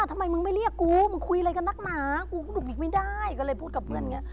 ทำไมมึงไม่เรียกกูมึงคุยอะไรกับนักหนากูก็หลุกนิกไม่ได้ก็เลยพูดกับเพื่อนอย่างนี้